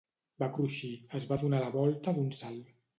Va cruixir; es va donar la volta d'un salt.